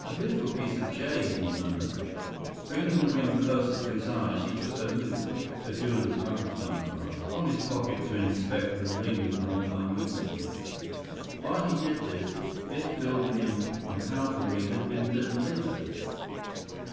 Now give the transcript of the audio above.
14 "A beautiful piece of jade," he murmured. Bringing the ring closer to his eyes, he took a loupe—a jeweler's magnifying glass—from his pocket to inspect the ring more minutely. While he did this, Biff filled him in on how the ring had been "delivered."